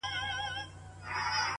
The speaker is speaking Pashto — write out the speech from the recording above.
ستا خــوله كــي ټــپه اشــنا؛